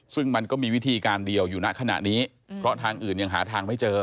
ซึ่งมันก็มีวิธีการเดียวอยู่ณขณะนี้เพราะทางอื่นยังหาทางไม่เจอ